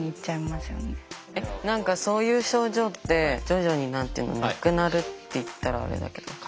何かそういう症状って徐々になくなるって言ったらあれだけど。